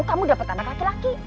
kamu dapat anak laki laki